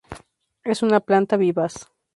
Es una planta vivaz.